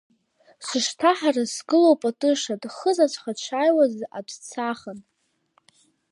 Сышҭаҳара сгылоуп атыша, дхызаҵәха дшааиуаз аӡә дсаахан.